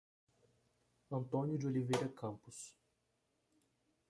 Antônio de Oliveira Campos